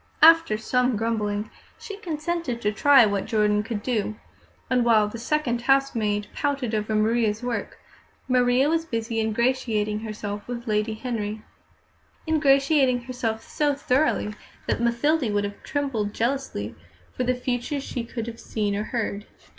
After some grumbling, she consented to try what Jordan could do; and while the second housemaid pouted over Maria's work, Maria was busy ingratiating herself with Lady Henry ingratiating herself so thoroughly that Mathilde would have trembled jealously for the future could she have seen or heard.